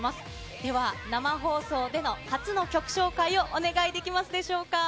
では生放送での初の曲紹介をお願いできますでしょうか。